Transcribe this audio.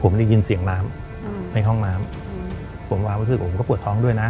ผมได้ยินเสียงน้ำในห้องน้ำผมวางเมื่อคืนผมก็ปวดท้องด้วยนะ